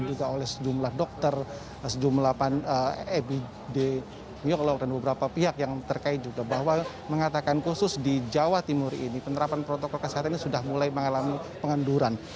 juga oleh sejumlah dokter sejumlah ebide wiolog dan beberapa pihak yang terkait juga bahwa mengatakan khusus di jawa timur ini penerapan protokol kesehatan ini sudah mulai mengalami penganduran